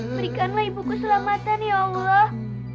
berikanlah ibuku selamatan ya allah